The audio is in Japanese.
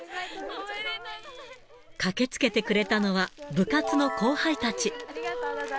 駆けつけてくれたのは、部活の後輩たち。